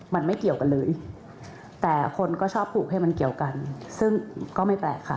มันไม่เกี่ยวกันเลยแต่คนก็ชอบปลูกให้มันเกี่ยวกันซึ่งก็ไม่แปลกค่ะ